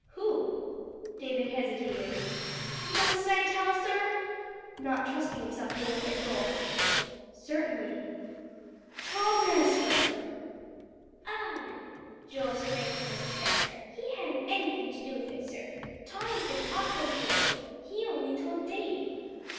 "Who?" David hesitated. "Must I tell, sir?" not trusting himself to look at Joel. "Certainly." "Tom Beresford." "Ugh!" Joel sprang from his chair. "He hadn't anything to do with it, sir. Tom has been awfully good. He only told Dave."